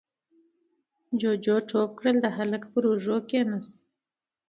جُوجُو ټوپ کړل، د هلک پر اوږه کېناست: